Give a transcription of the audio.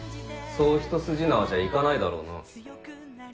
そう一筋縄じゃいかないだろうな。